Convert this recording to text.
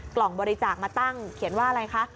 กล่องบริจาคมาตั้งเขียนว่าอะไรคะ